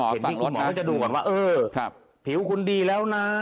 เห็นที่คุณหมอจะดูก่อนว่าเออผิวคุณดีแล้วนะ